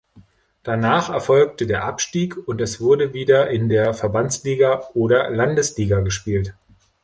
Danach erfolgte der Abstieg und es wurde wieder in der Verbandsliga oder Landesliga gespielt.